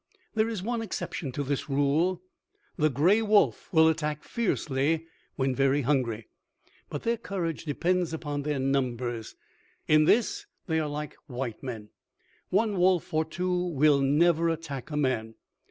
"There is one exception to this rule the gray wolf will attack fiercely when very hungry. But their courage depends upon their numbers; in this they are like white men. One wolf or two will never attack a man.